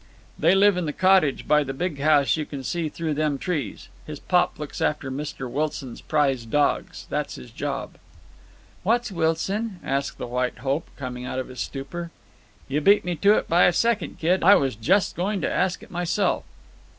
"They live in the cottage by the big house you can see through them trees. His pop looks after Mr. Wilson's prize dawgs. That's his job." "What's Wilson?" asked the White Hope, coming out of his stupor. "You beat me to it by a second, kid. I was just going to ask it myself."